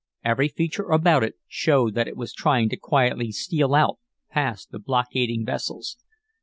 Every feature about it showed that it was trying to quietly steal out past the blockading vessels.